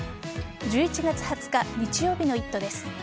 １１月２０日日曜日の「イット！」です。